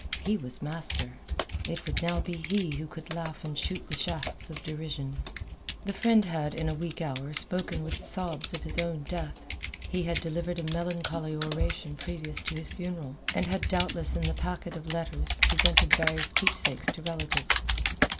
He was master. It would now be he who could laugh and shoot the shafts of derision. The friend had, in a weak hour, spoken with sobs of his own death. He had delivered a melancholy oration previous to his funeral, and had doubtless in the packet of letters, presented various keepsakes to relatives.